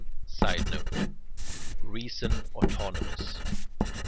[Sidenote: Reason autonomous.